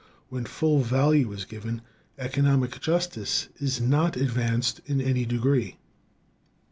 When full value is given, economic justice is not advanced in any degree.